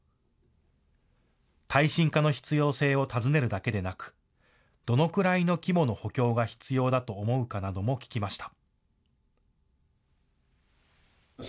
耐震化の必要性を尋ねるだけでなくどのくらいの規模の補強が必要だと思うかなども聞きました。